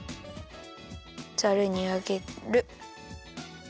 ざるにあげる。